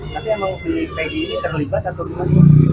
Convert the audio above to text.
tapi yang mau pilih peggy ini terlibat atau gimana